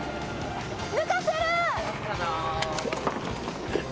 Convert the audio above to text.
抜かせる！